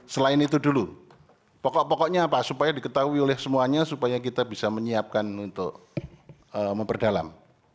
selain itu dulu pokok pokoknya apa supaya diketahui oleh semuanya supaya kita bisa menyiapkan untuk memperdalam